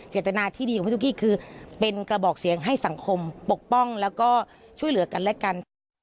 เจตนาที่ดีของพี่ตุ๊กกี้คือเป็นกระบอกเสียงให้สังคมปกป้องแล้วก็ช่วยเหลือกันและกันค่ะ